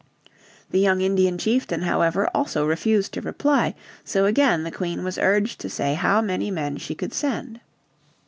The young Indian chieftain however also refused to reply. So again the Queen was urged to say how many men she could send.